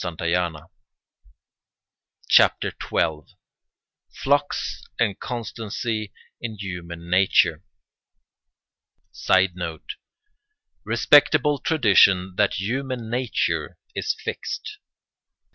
] CHAPTER XII—FLUX AND CONSTANCY IN HUMAN NATURE [Sidenote: Respectable tradition that human nature is fixed.